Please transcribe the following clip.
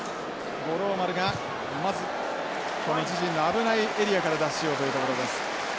五郎丸がまずこの自陣の危ないエリアから脱しようというところです。